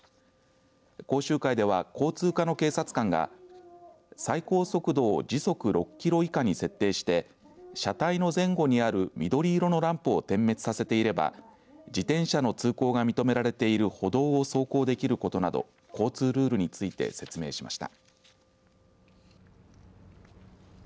講習会では交通課の警察官が最高速度を時速６キロ以下に設定して車体の前後にある緑色のランプを点滅させていれば自転車の通行が認められている歩道を走行できることなど交通ルールについて説明しました。